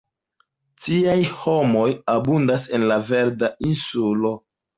Tiaj homoj abundas en la Verda Insulo.